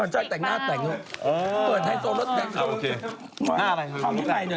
จะเปิดทาริสติกป่าว